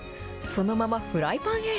そのままフライパンへ。